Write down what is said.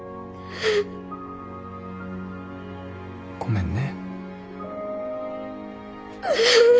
ごめんね。